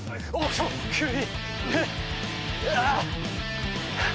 急に。